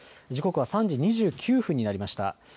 時刻は３時２９分になりました。